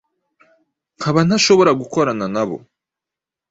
nkaba ntashobora gukorana na bo.